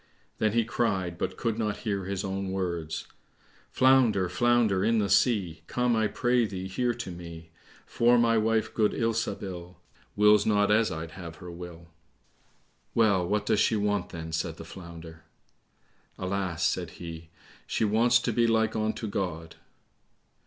Then he cried, but could not hear his own words, "Flounder, flounder in the sea, Come, I pray thee, here to me; For my wife, good Ilsabil, Wills not as I'd have her will." "Well, what does she want, then?" said the Flounder. "Alas," said he, "she wants to be like unto God."